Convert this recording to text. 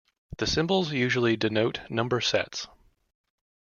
The symbols usually denote number sets.